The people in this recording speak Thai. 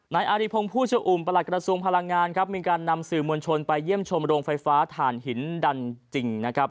อาริพงศ์ผู้ชะอุ่มประหลัดกระทรวงพลังงานครับมีการนำสื่อมวลชนไปเยี่ยมชมโรงไฟฟ้าถ่านหินดันจริงนะครับ